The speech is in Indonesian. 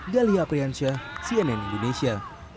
galiha priyansya cnn indonesia